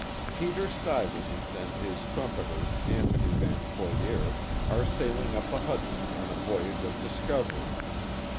Peter Sluyvesant and his trumpeter, Antony Van Corlear, are sailing up the Hudson on a voyage of discovery.